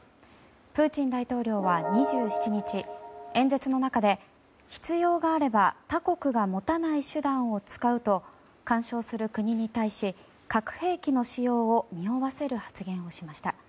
プーチン大統領は２７日、演説の中で必要があれば他国が持たない手段を使うと干渉する国に対し核兵器の使用をにおわせる発言をしました。